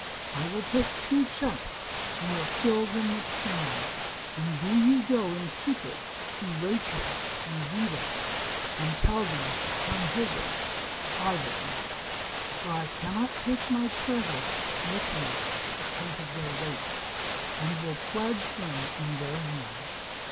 I will take two chests and fill them with sand, and do you go in secret to Rachel and Vidas, and tell them to come hither privately; for I cannot take my treasures with me because of their weight, and will pledge them in their hands.